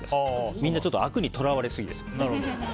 みんな、あくにとらわれすぎです。